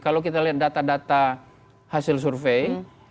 kalau kita lihat data data hasil survei